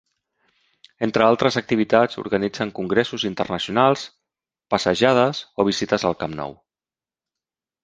Entre altres activitats organitzen congressos internacionals, passejades o visites al Camp Nou.